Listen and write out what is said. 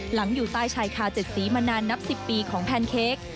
หลังอยู่ใต้ชายคาเจ็ดซีมานานนับ๑๐ปีของแพนเค้ก